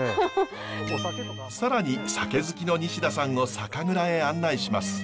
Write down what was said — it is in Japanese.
更に酒好きの西田さんを酒蔵へ案内します。